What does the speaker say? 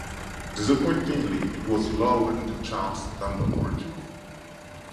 Disappointingly it was lower in the charts than the original.